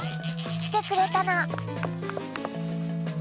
きてくれたの。